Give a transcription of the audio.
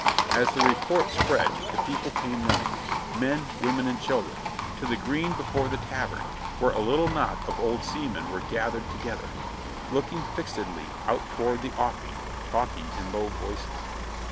As the report spread the people came running men, women, and children to the green before the tavern, where a little knot of old seamen were gathered together, looking fixedly out toward the offing, talking in low voices.